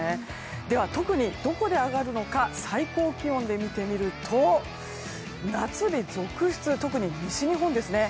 では、特にどこで上がるのか最高気温で見てみると夏日続出、特に西日本ですね。